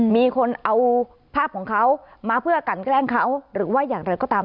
มีคนเอาภาพของเขามาเพื่อกันแกล้งเขาหรือว่าอย่างไรก็ตาม